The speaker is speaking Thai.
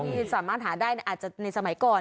ที่สามารถหาได้อาจจะในสมัยก่อน